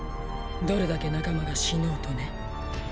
どれだけ仲間が死のうとね。